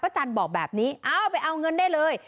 จันทร์บอกแบบนี้เอาไปเอาเงินได้เลย